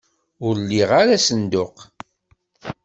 Ur liɣ ara asenduq.